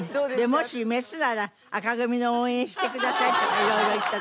「もしメスなら紅組の応援してください」とか色々言って。